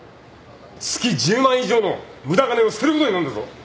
月１０万以上の無駄金を捨てることになるんだぞ。